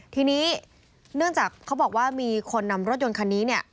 ทีนี้เนื่องจากเขาบอกว่ามีคนนำรถยนต์คันนี้เนี่ย